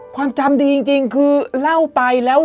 ความจำดีจริงคือเล่าไปแล้ว